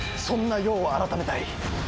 そんな世を改めたい。